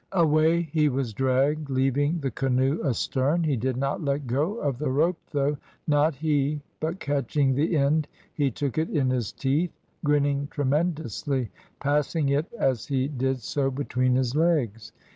Away he was dragged, leaving the canoe astern; he did not let go of the rope though, not he, but catching the end he took it in his teeth, grinning tremendously, passing it as he did so between his legs.